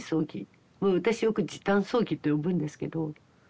私よく時短葬儀と呼ぶんですけど。